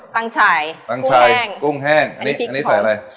งังชายปังชายแห้งกุ้งแห้งอันนี้อันนี้ใส่อะไร